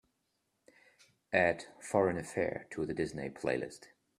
Add Foreign Affair to the disney playlist.